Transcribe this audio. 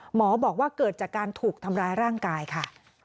หมอบอกว่าเกิดจากการถูกทำร้ายร่างกายค่ะ